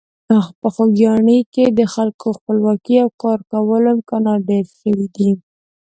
په خوږیاڼي کې د خلکو خپلواکي او کارکولو امکانات ډېر شوي دي.